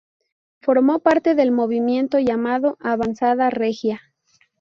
Formó parte del movimiento llamado Avanzada regia.